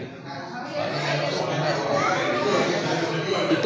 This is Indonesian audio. banyak air di dalam